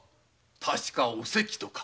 確かおせきとか。